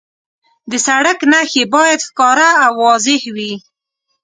د سړک نښې باید ښکاره او واضح وي.